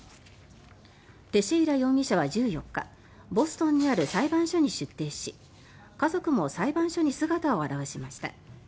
テシェイラ容疑者は１４日ボストンにある裁判所に出廷し家族も裁判所に姿を現しました。